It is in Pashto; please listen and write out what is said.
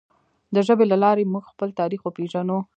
د ژبې له لارې موږ خپل تاریخ وپیژنو.